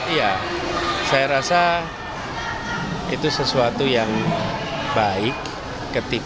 ya saya rasa itu sesuatu yang baik